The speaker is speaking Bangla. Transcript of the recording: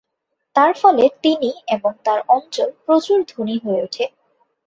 তার ফলে তিনি এবং তাঁর অঞ্চল প্রচুর ধনী হয়ে ওঠে।